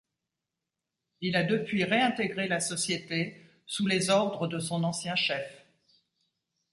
Il a depuis réintégré la Société sous les ordres de son ancien chef.